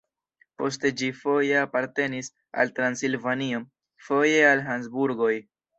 Poste ĝi foje apartenis al Transilvanio, foje al Habsburgoj.